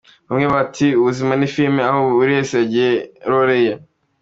Bamwe bati 'Ubuzima ni filime aho buri wese agira rore ye".